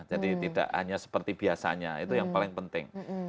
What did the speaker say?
jadi tidak hanya seperti biasanya itu yang paling penting